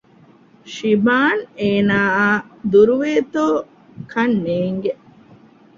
ޝިބާން އޭނާއާ ދުރުވޭތޯ ކަންނޭނގެ